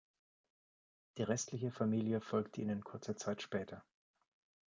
Die restliche Familie folgte ihnen kurze Zeit später.